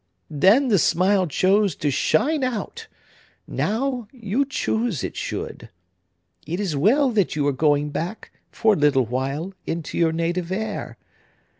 Then, the smile chose to shine out; now, you choose it should. It is well that you are going back, for a little while, into your native air.